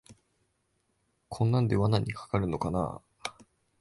こんなんで罠にかかるのかなあ